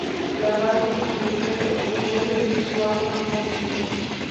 La frase "sin respeto" vendría a definir su acto en los años siguientes.